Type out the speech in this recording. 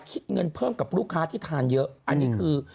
คิดเงินเพิ่มกับลูกค้าที่ทานเยอะอันนี้คือ